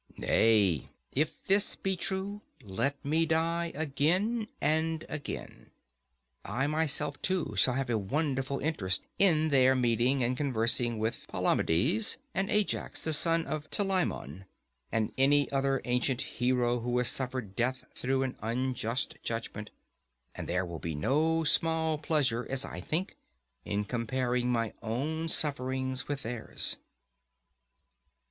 Nay, if this be true, let me die again and again. I myself, too, shall have a wonderful interest in there meeting and conversing with Palamedes, and Ajax the son of Telamon, and any other ancient hero who has suffered death through an unjust judgment; and there will be no small pleasure, as I think, in comparing my own sufferings with theirs.